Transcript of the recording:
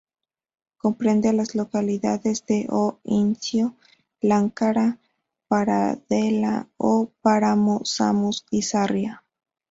Comprende a las localidades de O Incio, Láncara, Paradela, O Páramo, Samos y Sarria.